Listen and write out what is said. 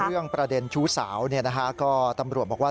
เรื่องประเด็นชู้สาวก็ตำรวจบอกว่า